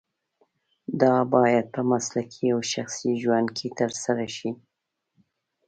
دا باید په مسلکي او شخصي ژوند کې ترسره شي.